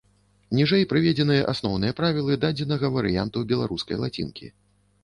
Ніжэй прыведзеныя асноўныя правілы дадзенага варыянту беларускай лацінкі.